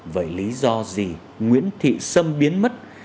vậy lý do gì nguyễn thị sâm biến mất